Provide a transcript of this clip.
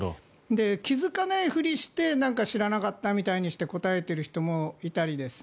気付かないふりして知らなかったみたいにして答えている人もいたり。